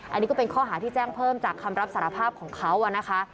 อันนี้ก็เป็นข้อหาที่แจ้งเพิ่มจากคำรับสารภาพของเขานะคะ